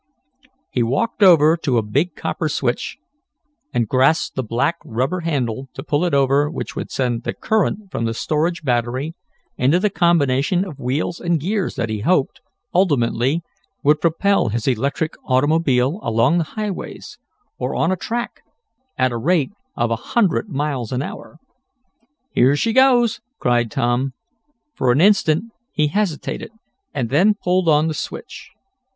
He walked over to a big copper switch, and grasped the black rubber handle to pull it over which would send the current from the storage battery into the combination of wheels and gears that he hoped, ultimately, would propel his electric automobile along the highways, or on a track, at the rate of a hundred miles an hour. "Here she goes!" cried Tom. For an instant he hesitated and then pulled the switch.